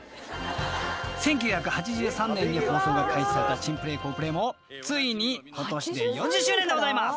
［１９８３年に放送が開始された『珍プレー好プレー』もついにことしで４０周年でございます！］